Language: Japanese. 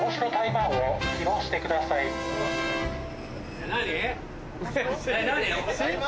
えっ何？